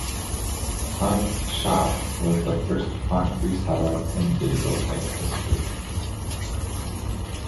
FontShop was the first font reseller in digital type history.